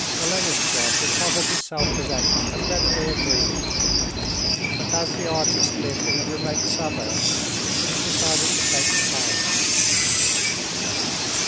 Golenishtchev recovered his self possession and readily agreed. But as the artist lived in a remote suburb, it was decided to take the carriage.